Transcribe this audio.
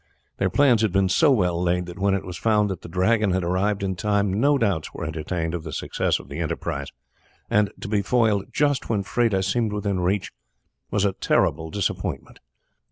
Their plans had been so well laid that when it was found that the Dragon had arrived in time no doubts were entertained of the success of the enterprise, and to be foiled just when Freda seemed within reach was a terrible disappointment.